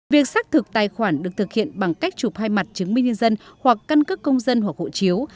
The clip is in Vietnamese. việc xác thực tài khoản được thực hiện bằng cách chụp hai mặt chứng minh nhân dân hoặc căn cước công dân hoặc hộ chiếu